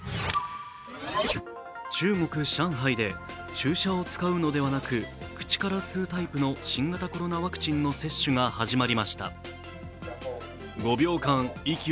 中国・上海で注射を使うのではなく、口から吸うタイプの新型コロナワクチンの接種が始まりました。